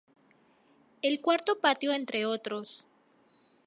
El Cuarto Patio, entre otros.